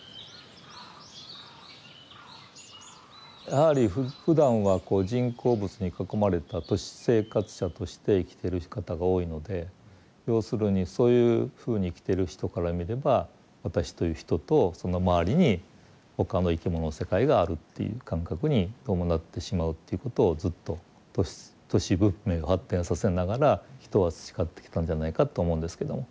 やはりふだんはこう人工物に囲まれた都市生活者として生きてる方が多いので要するにそういうふうに生きてる人から見れば私という人とその周りに他の生き物の世界があるという感覚にどうもなってしまうということをずっと都市文明を発展させながら人は培ってきたんじゃないかと思うんですけども。